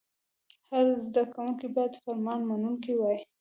هر زده کوونکی باید فرمان منونکی وای.